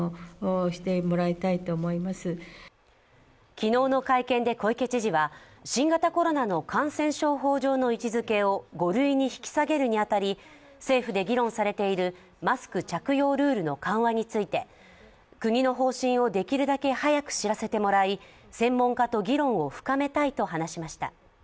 昨日の会見で小池知事は新型コロナの感染症法上の位置づけを、５類に引き下げるに当たり政府で議論されているマスク着用ルールの緩和について、国の方針をできるだけ早く知らせてもらい専門家と議論を深めたいと話しました。